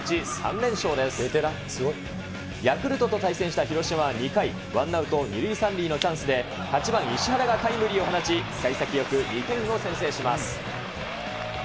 ベテラン、ヤクルトと対戦した広島は２回、ワンアウト２塁３塁のチャンスで、８番石原がタイムリーを放ち、さい先よく２点を先制します。